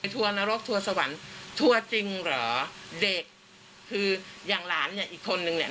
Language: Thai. ทัวร์นรกทัวร์สวรรค์ทัวร์จริงเหรอเด็กคืออย่างหลานเนี่ยอีกคนนึงเนี่ย